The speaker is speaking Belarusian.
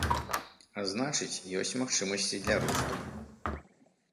А значыць, ёсць магчымасці для росту.